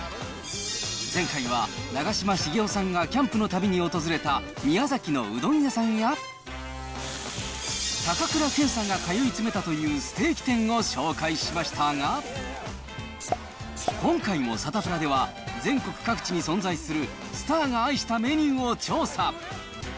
前回は長嶋茂雄さんがキャンプのたびに訪れた、宮崎のうどん屋さんや、高倉健さんが通い詰めたというステーキ店を紹介しましたが、今回もサタプラでは、全国各地に存在するスターが愛したメニューを調査。